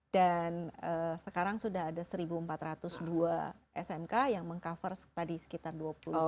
dan sekarang sudah ada seribu empat ratus dua smk yang meng cover tadi sekitar dua puluh tujuh dua puluh delapan persen